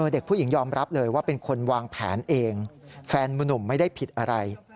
เด็กผู้หญิงยอมรับเลยว่าเป็นคนวางแผนเองแฟนมนุ่มไม่ได้ผิดอะไร